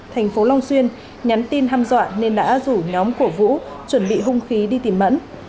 thành phố long xuyên nhắn tin ham dọa nên đã rủ nhóm của vũ chuẩn bị hung khí đi tìm mẫn